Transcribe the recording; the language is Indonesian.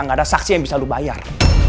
gak ada saksi yang bisa lu bayar